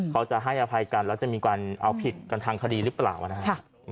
เขาจะให้อภัยกันแล้วจะมีการเอาผิดกันทางคดีหรือเปล่านะครับ